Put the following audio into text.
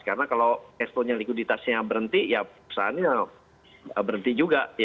karena kalau cash flow nya likuiditasnya berhenti ya pesannya berhenti juga